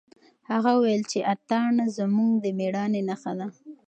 هغه وویل چې اتڼ زموږ د مېړانې نښه ده.